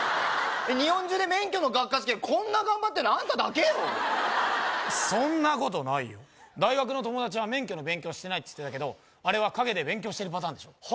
日本中で免許の学科試験こんな頑張ってんのアンタだけよそんなことないよ大学の友達は免許の勉強してないっつってたけどあれは陰で勉強してるパターンでしょ